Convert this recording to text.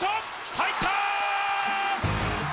入ったー！